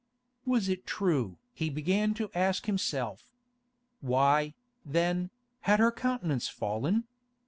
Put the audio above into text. Was it true? he began to ask himself. Why, then, had her countenance fallen?